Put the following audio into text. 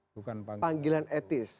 bukan panggilan etis